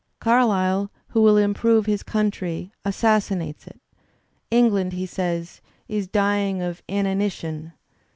Carlyle, who will improve his country, assassinates it. "England," he says, "is dying of inanition."